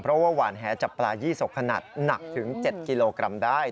เพราะว่าหวานแหจับปลายี่สกขนาดหนักถึง๗กิโลกรัมได้